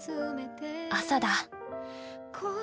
朝だ。